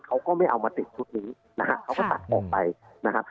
เขาก็ไม่เอามาติดชุดนี้นะฮะเขาก็ตัดออกไปนะครับ